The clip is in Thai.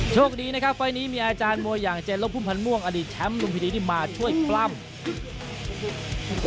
โชคดีนะครับไฟล์นี้มีอาจารย์มวยอย่างเจนลบพุ่มพันธ์ม่วงอดีตแชมป์ลุมพินีที่มาช่วยปล้ำ